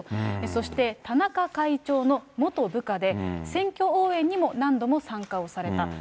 そして田中会長の元部下で、選挙応援にも何度も参加をされた。